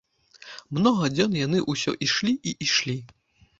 Многа дзён яны ўсё ішлі і ішлі.